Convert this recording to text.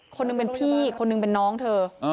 คนหนึ่งเป็นพี่คนหนึ่งเป็นน้องเธอ